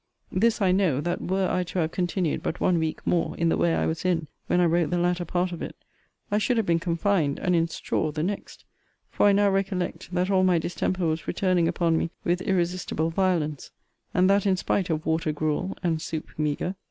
This I know, that were I to have continued but one week more in the way I was in when I wrote the latter part of it, I should have been confined, and in straw, the next; for I now recollect, that all my distemper was returning upon me with irresistible violence and that in spite of water gruel and soup meagre.